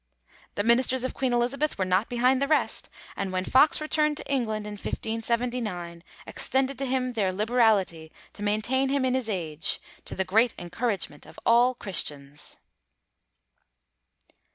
The Ministers of Queen Elizabeth were not behind the rest, and, when Fox returned to England in 1579, 'extended to him their liberality to maintain him in his age, to the great encouragement of all Christians.'